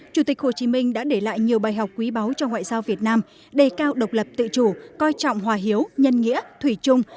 chủ tịch hồ chí minh đã để lại nhiều bài học quý báu cho ngoại giao việt nam đề cao độc lập tự chủ coi trọng hòa hiếu nhân nghĩa thủy chung